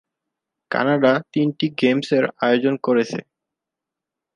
Canada তিনটি গেমসের আয়োজন করেছে।